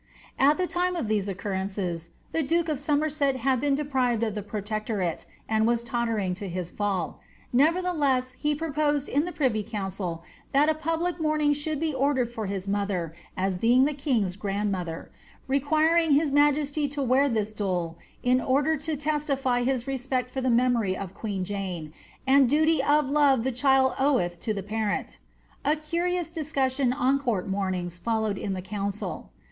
At the time of these occurrences, the duke of Somerset had been de prived of the protectorate, and was tottering to his fall ; nevertheless, he proposed in the privy council that a public mourning should be ordered for his mother, as being tlie king's grandmother ; requiring his majesty to wear this doole^ in order to testify his respect for the memory of queen Jane, ^and duty of love the child oweth to the parent.'' A cvirHis discussion on court mournings followed in the council.